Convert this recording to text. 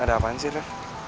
ada apaan sih re